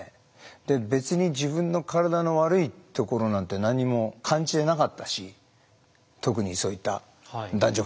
で別に自分の体の悪いところなんて何も感じてなかったし特にそういった男女関係に関してもね。